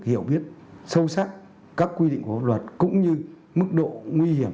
hiểu biết sâu sắc các quy định của luật cũng như mức độ nguy hiểm